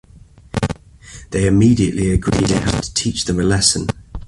They immediately agree they have to teach them a lesson.